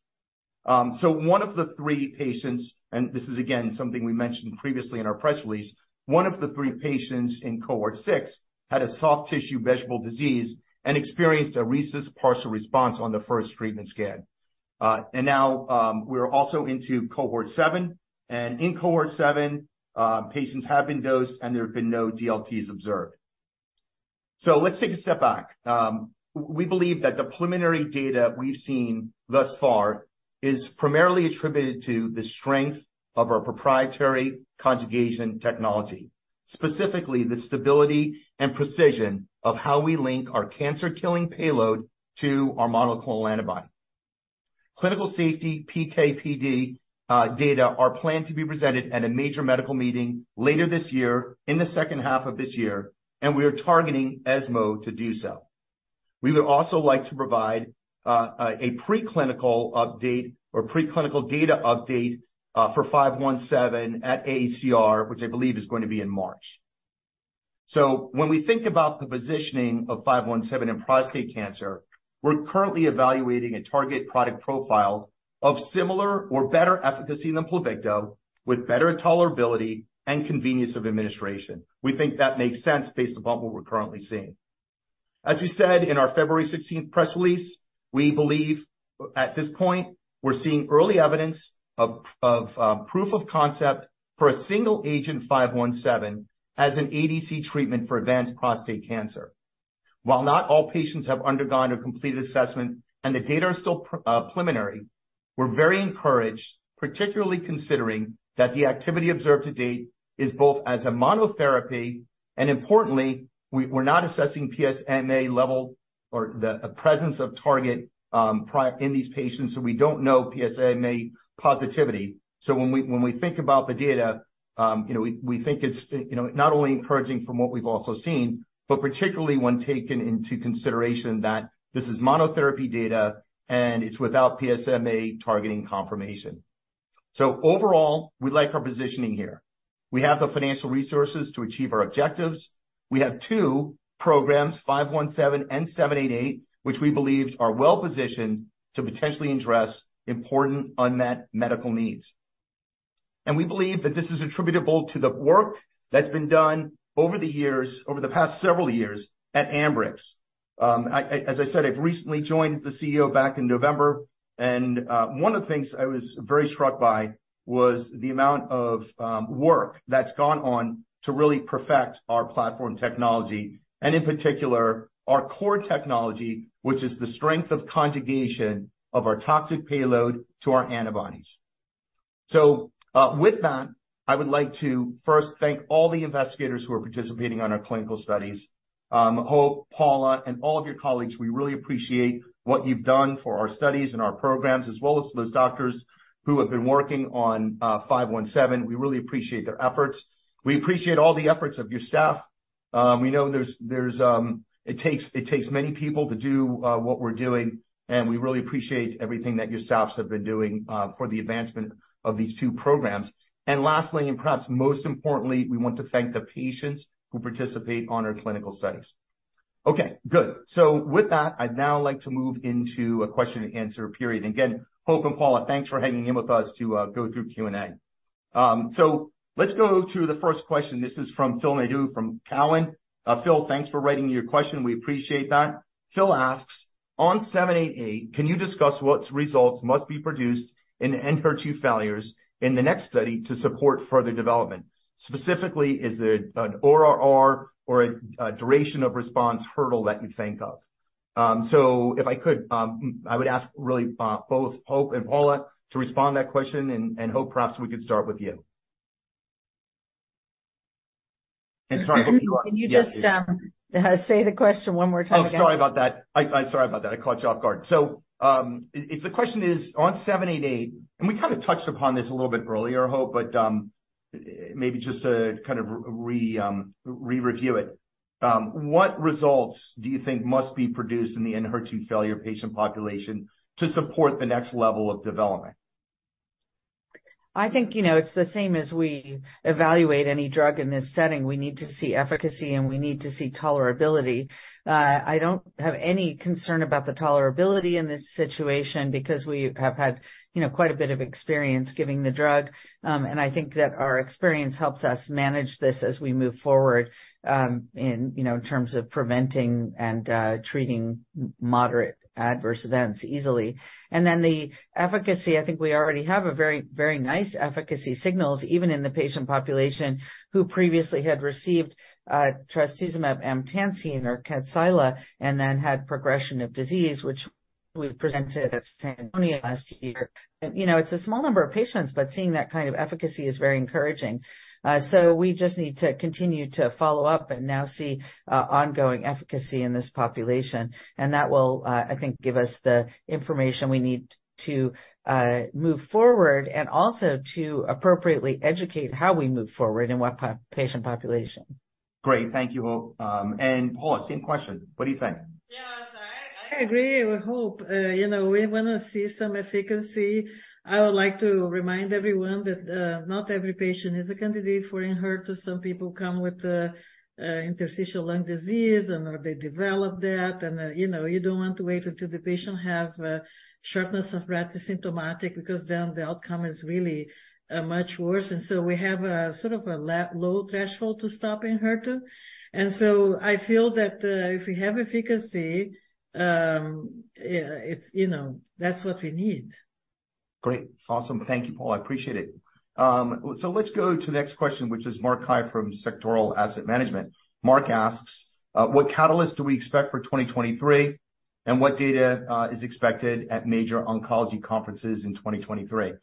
Speaker 2: 1 of the 3 patients, this is again something we mentioned previously in our press release. 1 of the 3 patients in cohort 6 had a soft tissue visceral disease and experienced a RECIST partial response on the first treatment scan. Now, we're also into cohort 7. In cohort 7, patients have been dosed and there have been no DLTs observed. Let's take a step back. We believe that the preliminary data we've seen thus far is primarily attributed to the strength of our proprietary conjugation technology, specifically the stability and precision of how we link our cancer-killing payload to our monoclonal antibody. Clinical safety PK/PD data are planned to be presented at a major medical meeting later this year, in the second half of this year, and we are targeting ESMO to do so. We would also like to provide a pre-clinical update or pre-clinical data update for 517 at AACR, which I believe is going to be in March. When we think about the positioning of 517 in prostate cancer, we're currently evaluating a target product profile of similar or better efficacy than Pluvicto, with better tolerability and convenience of administration. We think that makes sense based upon what we're currently seeing. As we said in our February 16th press release, we believe at this point we're seeing early evidence of proof of concept for a single agent ARX517 as an ADC treatment for advanced prostate cancer. While not all patients have undergone a complete assessment and the data is still preliminary, we're very encouraged, particularly considering that the activity observed to date is both as a monotherapy and importantly, we're not assessing PSMA level or the presence of target in these patients, so we don't know PSMA positivity. When we think about the data, we think it's, not only encouraging from what we've also seen, but particularly when taken into consideration that this is monotherapy data and it's without PSMA targeting confirmation. Overall, we like our positioning here. We have the financial resources to achieve our objectives. We have two programs, 517 and 788, which we believe are well-positioned to potentially address important unmet medical needs. We believe that this is attributable to the work that's been done over the years, over the past several years at Ambrx. As I said, I've recently joined as the CEO back in November, and one of the things I was very struck by was the amount of work that's gone on to really perfect our platform technology and in particular our core technology, which is the strength of conjugation of our toxic payload to our antibodies. With that, I would like to first thank all the investigators who are participating on our clinical studies. Hope, Paula, and all of your colleagues, we really appreciate what you've done for our studies and our programs, as well as those doctors who have been working on 517. We really appreciate their efforts. We appreciate all the efforts of your staff. We know there's, it takes many people to do what we're doing, and we really appreciate everything that your staffs have been doing for the advancement of these two programs. Lastly, and perhaps most importantly, we want to thank the patients who participate on our clinical studies. Okay, good. With that, I'd now like to move into a question and answer period. Again, Hope and Paula, thanks for hanging in with us to go through Q&A. Let's go to the first question. This is from Phil Nadeau from Cowen. Phil, thanks for writing your question. We appreciate that. Phil asks, on ARX788, can you discuss what results must be produced in HER2 failures in the next study to support further development? Specifically, is it an ORR or a duration of response hurdle that you think of? If I could, I would ask really, both Hope and Paula to respond to that question, and Hope, perhaps we could start with you.
Speaker 3: Can you just say the question one more time again?
Speaker 2: Sorry about that. I'm sorry about that. I caught you off guard. If the question is on ARX788, and we kind of touched upon this a little bit earlier, Hope, maybe just to kind of re-review it. What results do you think must be produced in the HER2 failure patient population to support the next level of development?
Speaker 3: I think, it's the same as we evaluate any drug in this setting. We need to see efficacy, and we need to see tolerability. I don't have any concern about the tolerability in this situation because we have had, quite a bit of experience giving the drug. I think that our experience helps us manage this as we move forward, in, in terms of preventing and treating moderate adverse events easily. The efficacy, I think we already have a very, very nice efficacy signals, even in the patient population who previously had received trastuzumab emtansine or Kadcyla, and then had progression of disease, which we presented at San Antonio last year. You know, it's a small number of patients, but seeing that kind of efficacy is very encouraging. We just need to continue to follow up and now see ongoing efficacy in this population, and that will, I think, give us the information we need to move forward and also to appropriately educate how we move forward in what patient population.
Speaker 2: Great. Thank you, Hope. Paula, same question. What do you think?
Speaker 4: Yeah, sorry. I agree with Hope. You know, we want to see some efficacy. I would like to remind everyone that, not every patient is a candidate for Enhertu. Some people come with, interstitial lung disease and, or they develop that. You know, you don't want to wait until the patient have, shortness of breath, is symptomatic, because then the outcome is really, much worse. We have a sort of a low threshold to stop Enhertu. I feel that, if we have efficacy, it's, that's what we need.
Speaker 2: Great. Awesome. Thank you, Paula. I appreciate it. Let's go to the next question, which is Marc Frahm from Sectoral Asset Management. Marc asks, what catalyst do we expect for 2023, and what data is expected at major oncology conferences in 2023?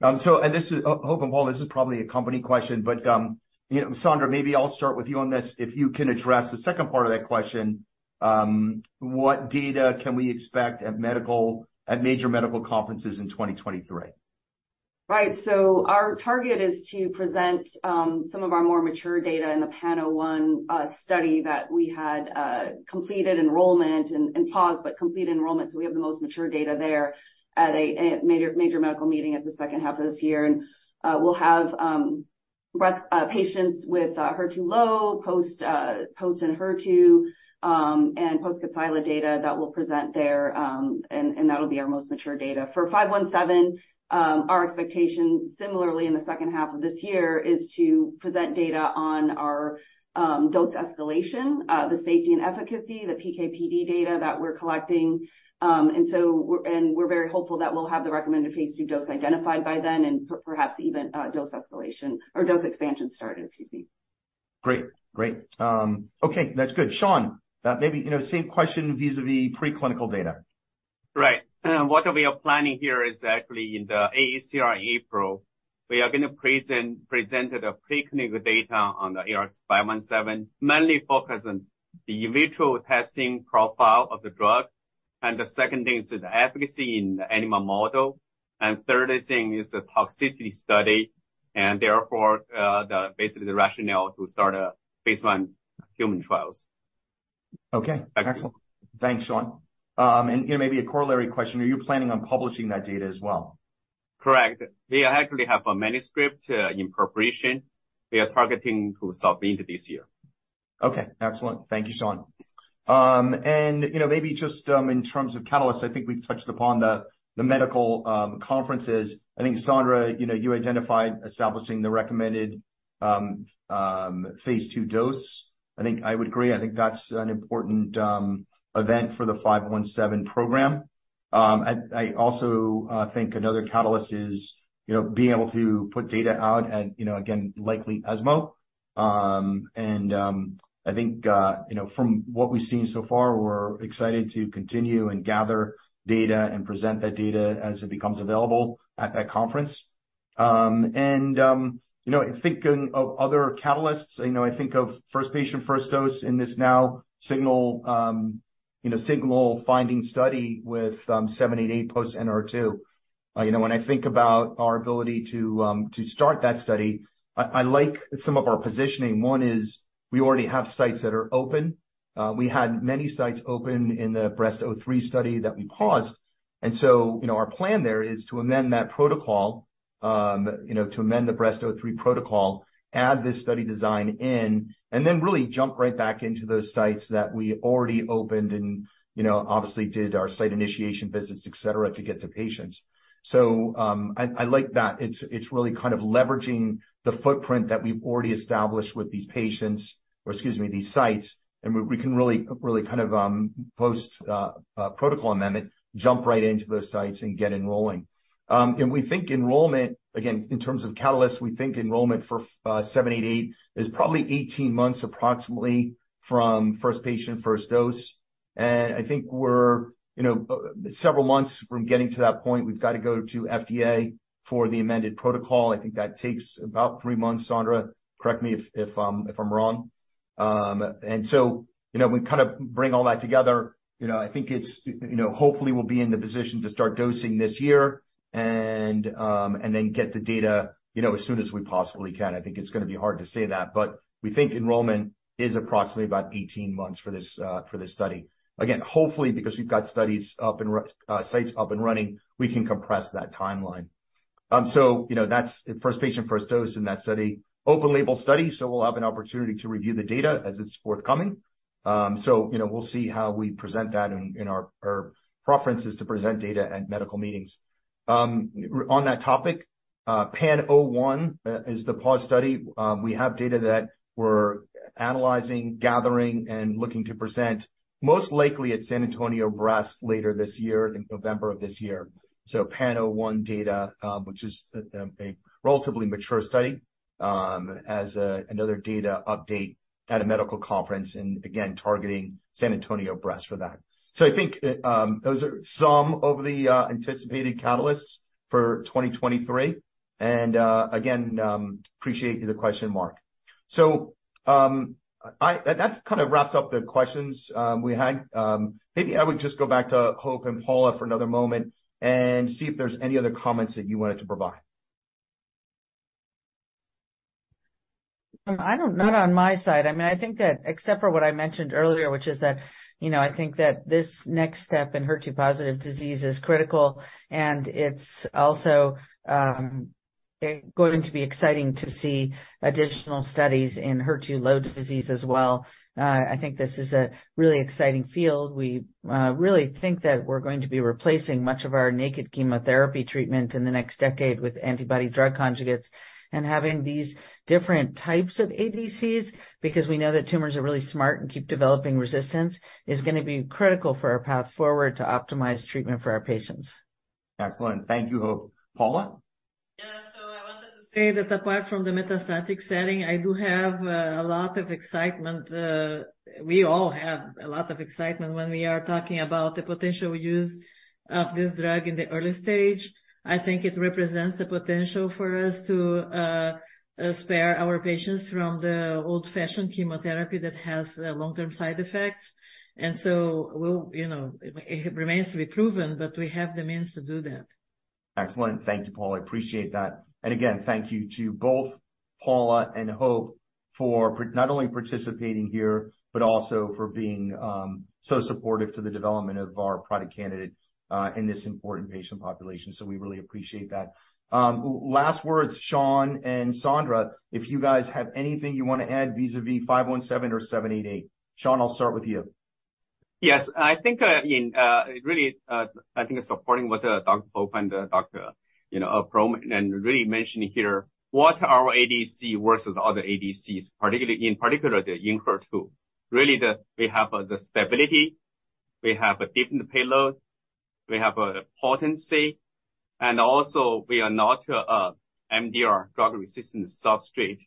Speaker 2: This is Hope and Paula, this is probably a company question, but, Sandra, maybe I'll start with you on this. If you can address the second part of that question, what data can we expect at major medical conferences in 2023?
Speaker 6: Right. Our target is to present some of our more mature data in the Pano-01 study that we had completed enrollment and pause, but complete enrollment. We have the most mature data there at a major medical meeting at the second half of this year. We'll have breast patients with HER2-low post Enhertu and post Kadcyla data that we'll present there. That'll be our most mature data. For ARX517, our expectation, similarly in the second half of this year, is to present data on our dose escalation, the safety and efficacy, the PK/PD data that we're collecting. We're very hopeful that we'll have the recommended Phase II dose identified by then and perhaps even, dose escalation or dose expansion started, excuse me.
Speaker 2: Great. Great. Okay, that's good. Shawn, maybe, same question vis-à-vis preclinical data.
Speaker 5: Right. What we are planning here is actually in the AACR in April, we are going to present preclinical data on the ARX517, mainly focused on the in vitro testing profile of the drug. The second thing is the efficacy in the animal model. Third thing is the toxicity study, and therefore, the basically the rationale to start a Phase I human trials.
Speaker 2: Okay. Excellent. Thanks, Shawn. You know, maybe a corollary question, are you planning on publishing that data as well?
Speaker 5: Correct. We actually have a manuscript in preparation. We are targeting to submit this year.
Speaker 2: Okay, excellent. Thank you, Shawn. You know, maybe just, in terms of catalysts, I think we've touched upon the medical conferences. I think, Sandra, you identified establishing the recommended Phase II dose. I think I would agree. I think that's an important event for the 517 program. I also think another catalyst is, you know, being able to put data out at, again, likely ESMO. I think, from what we've seen so far, we're excited to continue and gather data and present that data as it becomes available at that conference. You know, thinking of other catalysts, I think of first patient, first dose in this now signal finding study with 788 post HER2. You know, when I think about our ability to start that study, I like some of our positioning. One is we already have sites that are open. We had many sites open in the ACE-Breast-03 study that we paused. You know, our plan there is to amend that protocol. You know, to amend the ACE-Breast-03 protocol, add this study design in, and then really jump right back into those sites that we already opened and, obviously did our site initiation visits, et cetera, to get to patients. So, I like that. It's really kind of leveraging the footprint that we've already established with these patients or, excuse me, these sites. We can really kind of, post a protocol amendment, jump right into those sites and get enrolling. We think enrollment... Again, in terms of catalysts, we think enrollment for seven-eight-eight is probably 18 months approximately from first patient, first dose. I think we're, youseveral months from getting to that point. We've got to go to FDA for the amended protocol. I think that takes about 3 months. Sandra, correct me if I'm wrong. So, you know, we kind of bring all that together. You know, I think it's, hopefully we'll be in the position to start dosing this year and then get the data, as soon as we possibly can. I think it's gonna be hard to say that, but we think enrollment is approximately about 18 months for this study. Again, hopefully, because we've got studies up and sites up and running, we can compress that timeline. You know, that's the first patient, first dose in that study. Open label study, so we'll have an opportunity to review the data as its forthcoming. You know, we'll see how we present that. Our preference is to present data at medical meetings. On that topic, PAN01 is the PAUSE study. We have data that we're analyzing, gathering, and looking to present most likely at San Antonio Breast Cancer Symposium later this year, in November of this year. PAN01 data, which is a relatively mature study, as another data update at a medical conference and, again, targeting San Antonio Breast for that. I think those are some of the anticipated catalysts for 2023. Again, appreciate the question mark. That kind of wraps up the questions we had. Maybe I would just go back to Hope and Paula for another moment and see if there's any other comments that you wanted to provide.
Speaker 3: Not on my side. I mean, I think that except for what I mentioned earlier, which is that, I think that this next step in HER2-positive disease is critical, and it's also going to be exciting to see additional studies in HER2-low disease as well. I think this is a really exciting field. We really think that we're going to be replacing much of our naked chemotherapy treatment in the next decade with antibody-drug conjugates and having these different types of ADCs, because we know that tumors are really smart and keep developing resistance, is gonna be critical for our path forward to optimize treatment for our patients.
Speaker 2: Excellent. Thank you, Hope. Paula?
Speaker 4: Yeah. I wanted to say that apart from the metastatic setting, I do have a lot of excitement. We all have a lot of excitement when we are talking about the potential use of this drug in the early stage. I think it represents the potential for us to spare our patients from the old-fashioned chemotherapy that has long-term side effects. We'll, it remains to be proven, but we have the means to do that.
Speaker 2: Excellent. Thank you, Paula. I appreciate that. Again, thank you to both Paula and Hope for not only participating here but also for being so supportive to the development of our product candidate in this important patient population. We really appreciate that. Last words, Sean and Sandra, if you guys have anything you wanna add vis-a-vis ARX517 or seven-eight-eight. Sean, I'll start with you.
Speaker 5: Yes. I think, really, I think supporting what Dr. Hope and Dr.Abram, really mentioning here what our ADC works with other ADCs, particularly the Enhertu. We have the stability, we have a different payload, we have a potency, and also we are not a MDR drug-resistant substrate.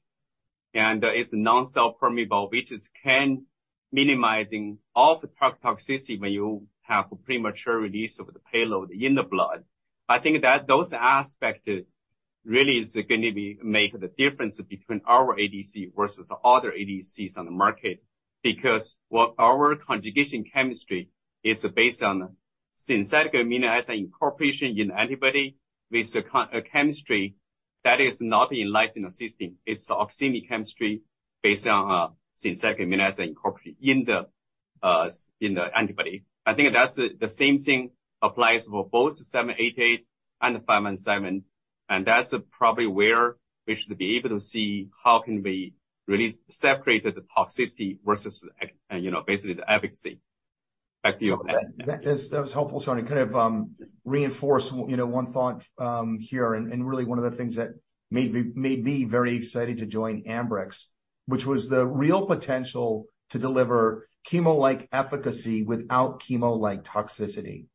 Speaker 5: It's non-cell permeable, which is can minimizing all the toxicity when you have a premature release of the payload in the blood. I think that those aspects really is gonna be make the difference between our ADC versus other ADCs on the market. What our conjugation chemistry is based on synthetic amino acid incorporation in antibody with a chemistry that is not in-licensed system. It's the oxime chemistry based on synthetic amino acid incorporate in the antibody. I think that's the same thing applies for both ARX788 and ARX517, and that's probably where we should be able to see how can we really separate the toxicity versus, basically the efficacy. Thank you.
Speaker 2: That's helpful, Sean. To kind of reinforce, one thought here and really one of the things that made me very excited to join Ambrx, which was the real potential to deliver chemo-like efficacy without chemo-like toxicity.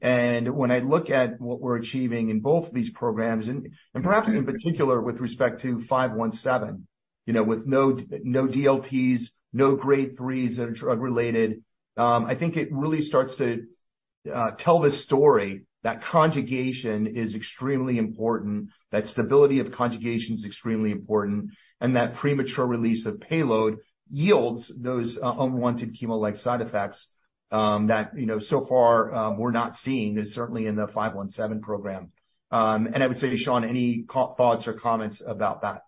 Speaker 2: When I look at what we're achieving in both of these programs and perhaps in particular with respect to five-one-seven, with no DLTs, no grade 3s that are drug-related, I think it really starts to tell the story that conjugation is extremely important, that stability of conjugation is extremely important, and that premature release of payload yields those unwanted chemo-like side effects that, so far, we're not seeing certainly in the five-one-seven program. I would say to Sean, any thoughts or comments about that?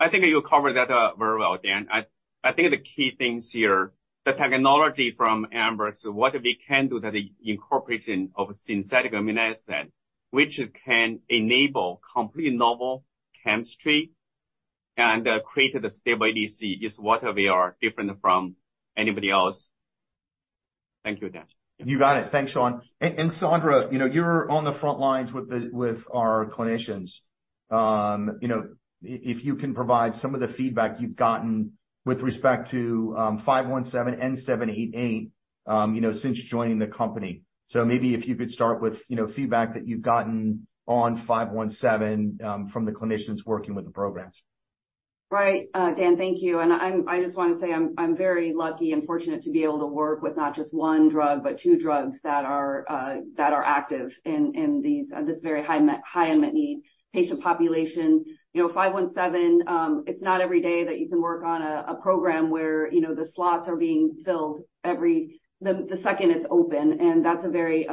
Speaker 5: I think you covered that very well, Dan. I think the key things here, the technology from Ambrx is what we can do to the incorporation of synthetic immunogen, which can enable complete novel chemistry and create a stable ADC is what we are different from anybody else. Thank you, Dan.
Speaker 2: You got it. Thanks, Shawn. Sandra, you know, you're on the front lines with our clinicians. You know, if you can provide some of the feedback you've gotten with respect to, 517 and 788, since joining the company. Maybe if you could start with, feedback that you've gotten on 517, from the clinicians working with the programs.
Speaker 6: Right. Dan, thank you. I just wanna say I'm very lucky and fortunate to be able to work with not just one drug, but two drugs that are active in these, this very high unmet need patient population. You know, 517, it's not every day that you can work on a program where, the slots are being filled every second it's open. That's a very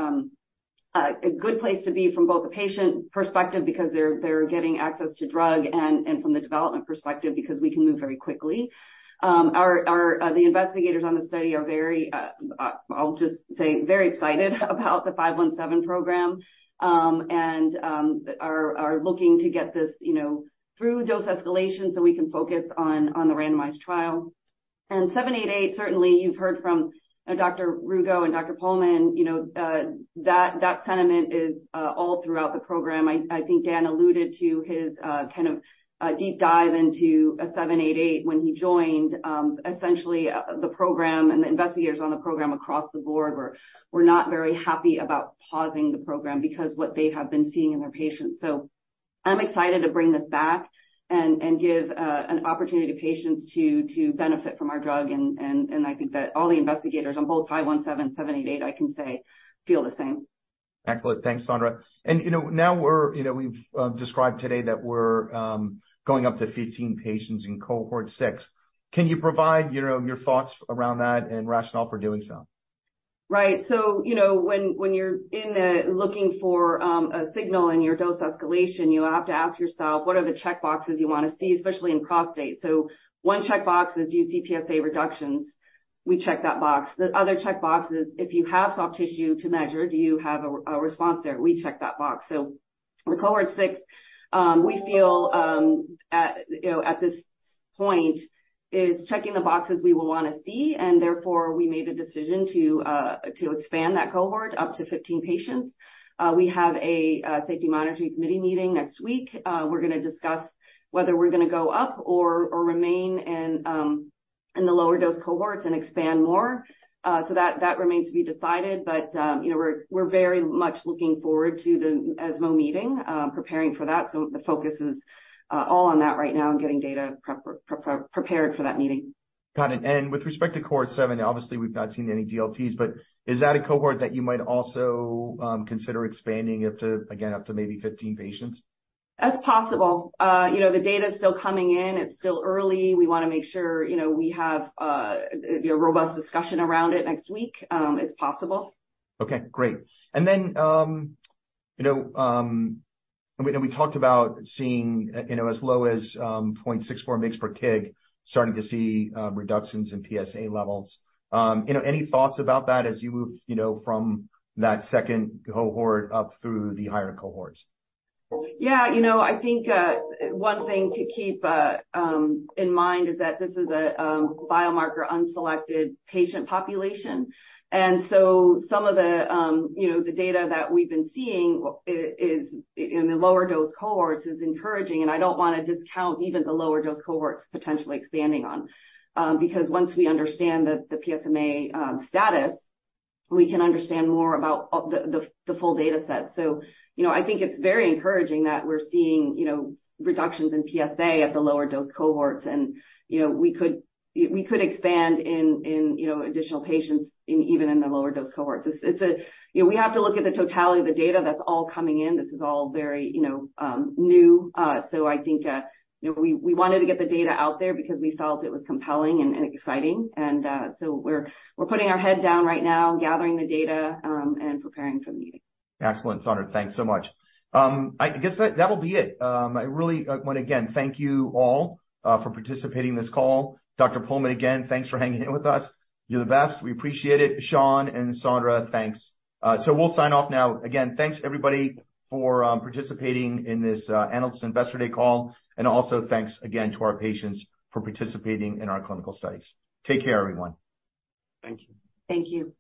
Speaker 6: good place to be from both a patient perspective, because they're getting access to drug and from the development perspective, because we can move very quickly. Our, the investigators on the study are very, I'll just say very excited about the 517 program. Are looking to get this, through dose escalation so we can focus on the randomized trial. ARX788, certainly you've heard from, Dr. Rugo and Dr. Pohlmann, that sentiment is all throughout the program. I think Dan alluded to his kind of deep dive into ARX788 when he joined. Essentially, the program and the investigators on the program across the board were not very happy about pausing the program because what they have been seeing in their patients. I'm excited to bring this back and give an opportunity to patients to benefit from our drug. I think that all the investigators on both ARX517, ARX788, I can say feel the same.
Speaker 2: Excellent. Thanks, Sandra. You know, now we've described today that we're going up to 15 patients in cohort 6. Can you provide, your thoughts around that and rationale for doing so?
Speaker 6: Right. You know, when you're looking for a signal in your dose escalation, you have to ask yourself, what are the checkboxes you wanna see, especially in prostate. One checkbox is, do you see PSA reductions? We check that box. The other checkbox is, if you have soft tissue to measure, do you have a response there? We check that box. With cohort 6, we feel, at this point is checking the boxes we will wanna see, and therefore we made a decision to expand that cohort up to 15 patients. We have a safety monitoring committee meeting next week. We're gonna discuss whether we're gonna go up or remain in the lower dose cohorts and expand more. That remains to be decided. You know, we're very much looking forward to the ESMO meeting, preparing for that. The focus is all on that right now and getting data prepared for that meeting.
Speaker 2: Got it. With respect to cohort 7, obviously we've not seen any DLTs, but is that a cohort that you might also consider expanding up to, again, up to maybe 15 patients?
Speaker 6: That's possible. You know, the data's still coming in. It's still early. We wanna make sure, we have, a robust discussion around it next week. It's possible.
Speaker 2: Okay, great. You know, we talked about seeing, as low as, 0.64 mg/kg, starting to see, reductions in PSA levels. You know, any thoughts about that as you move, from that second cohort up through the higher cohorts?
Speaker 6: Yeah. You know, I think one thing to keep in mind is that this is a biomarker unselected patient population. Some of the, the data that we've been seeing is in the lower dose cohorts is encouraging, and I don't wanna discount even the lower dose cohorts potentially expanding on. Because once we understand the PSMA status, we can understand more about all the full data set. You know, I think it's very encouraging that we're seeing, reductions in PSA at the lower dose cohorts. You know, we could expand in, know, additional patients in even in the lower dose cohorts. You know, we have to look at the totality of the data that's all coming in. This is all very, new. I think, we wanted to get the data out there because we felt it was compelling and exciting. We're putting our head down right now, gathering the data, and preparing for the meeting.
Speaker 2: Excellent, Sandra. Thanks so much. I guess that will be it. I really want to again, thank you all for participating in this call. Dr. Pohlmann, again, thanks for hanging in with us. You're the best. We appreciate it. Shawn and Sandra, thanks. We'll sign off now. Again, thanks everybody for participating in this Analyst Investor Day call, and also thanks again to our patients for participating in our clinical studies. Take care, everyone.
Speaker 5: Thank you.
Speaker 6: Thank you.